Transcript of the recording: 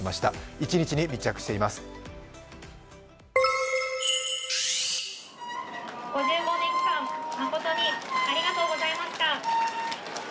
一日に密着しています。